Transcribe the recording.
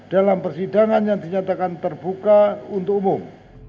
dalam persidangan yang dinyatakan terbuka untuk umum